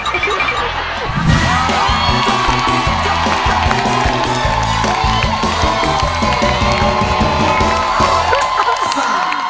จบจบจบ